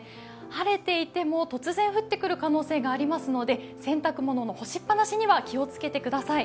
晴れていても突然降ってくる可能性がありますので洗濯物の干しっぱなしには気をつけてください。